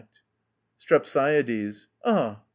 STREPSIADES. Ah!